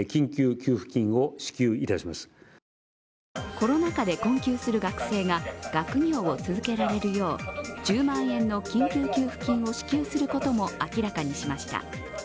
コロナ禍で困窮する学生が学業を続けられるよう１０万円の緊急給付金を支給することも明らかにしました。